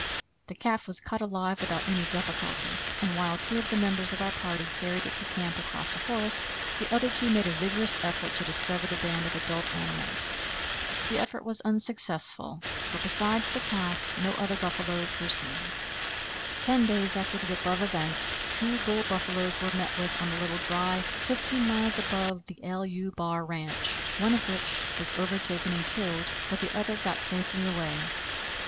The calf was caught alive without any difficulty, and while two of the members of our party carried it to camp across a horse, the other two made a vigorous effort to discover the band of adult animals. The effort was unsuccessful, for, besides the calf, no other buffaloes were seen. Ten days after the above event two bull buffaloes were met with on the Little Dry, 15 miles above the =LU= bar ranch, one of which was overtaken and killed, but the other got safely away.